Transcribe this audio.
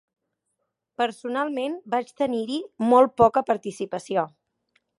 Personalment, vaig tenir-hi molt poca participació.